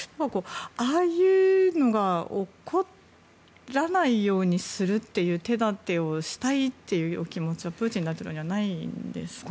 ああいうのが起こらないようにするっていう手だてをしたいという気持ちはプーチン大統領にはないんですかね？